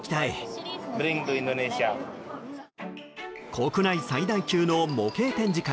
国内最大級の模型展示会